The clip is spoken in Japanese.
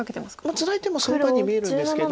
ツナいでもそんなに見えるんですけど。